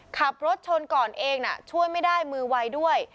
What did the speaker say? ขับรถชนก่อนเองช่วยไม่ได้มือไวด้วย